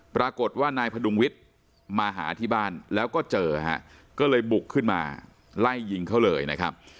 ปรากฏว่านายพดุงวิทย์มาหาที่บ้านแล้วก็เจอฮะก็เลยบุกขึ้นมาไล่ยิงเขาเลยนะครับ